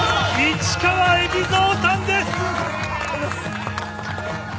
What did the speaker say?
市川海老蔵さんです。